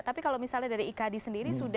tapi kalau misalnya dari ikad sendiri